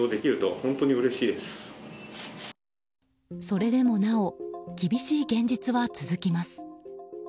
それでもなお厳しい現実は続きます。